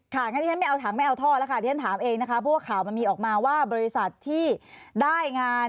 ถ้าที่ฉันถามเองนะคะพวกข่าวมันมีออกมาว่าบริษัทที่ได้งาน